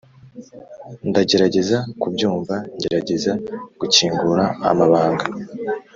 ndagerageza kubyumva, gerageza gukingura amabanga,